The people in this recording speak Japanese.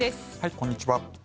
こんにちは。